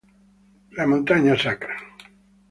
La montagna sacra